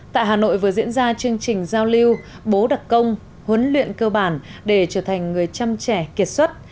tại hà nội vừa diễn ra chương trình giao lưu bố đặc công huấn luyện cơ bản để trở thành người chăm trẻ kiệt xuất